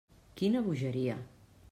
Quina bogeria!